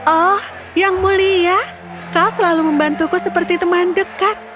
oh yang mulia kau selalu membantuku seperti teman dekat